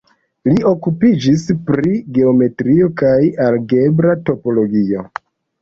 Li okupiĝis pri geometrio kaj algebra topologio.